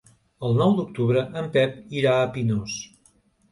El nou d'octubre en Pep irà a Pinós.